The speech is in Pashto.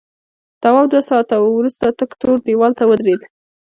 تواب دوه ساعته وروسته تک تور دیوال ته ودرېد.